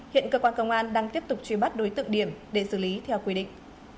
hiện cơ quan công an đang tiếp tục truy bắt đối tượng điểm để xử lý theo quy định